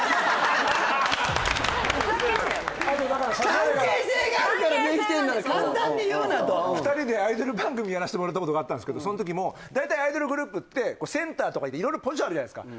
関係性があるからできてんのに簡単に言うなと二人でアイドル番組やらせてもらったことがあったんですけどだいたいアイドルグループってセンターとか色々ポジションあるじゃないですか